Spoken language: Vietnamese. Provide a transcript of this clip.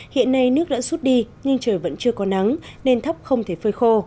hiện nay nước đã rút đi nhưng trời vẫn chưa có nắng nên thắp không thể phơi khô